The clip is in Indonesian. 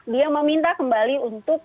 dia meminta kembali untuk